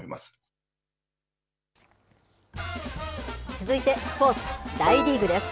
続いてスポーツ、大リーグです。